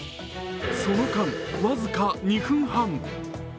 その間、僅か２分半。